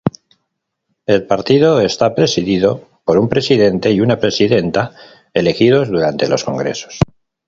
El partido está presidido por un presidente y una presidenta, elegidos durante los congresos.